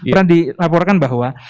pernah dilaporkan bahwa